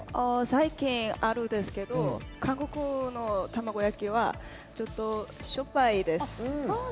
最近、あるですけど韓国の卵焼きはちょっとしょっぱいです。